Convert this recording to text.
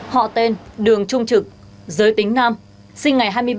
họ tên đường trung trực giới tính nam